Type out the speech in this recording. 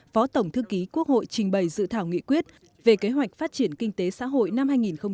phó tổng thư ký quốc hội trình bày dự thảo nghị quyết về kế hoạch phát triển kinh tế xã hội năm hai nghìn hai mươi